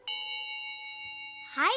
はい。